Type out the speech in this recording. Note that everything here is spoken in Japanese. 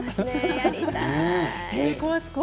やりたい。